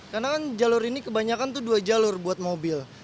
karena kan jalur ini kebanyakan tuh dua jalur buat mobil